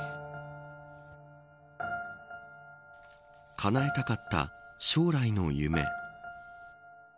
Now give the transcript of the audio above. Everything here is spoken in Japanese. かなえたかった将来の夢。